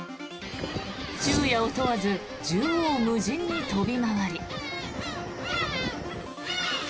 昼夜問わず縦横無尽に飛び回り。